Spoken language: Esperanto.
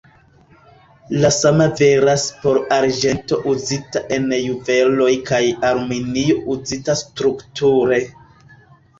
La sama veras por arĝento uzita en juveloj kaj aluminio uzita strukture.